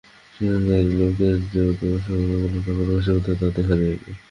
সেখানকার লোকের যে অধ্যবসায়, অন্যান্য নগরবাসিগণের মধ্যে তা দেখা যায় না।